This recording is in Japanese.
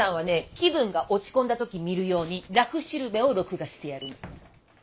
気分が落ち込んだ時見るように「らふしるべ」を録画してある。